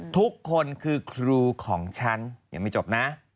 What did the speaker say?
ทุกคนคือครูของฉัน